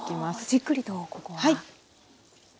じっくりとここは。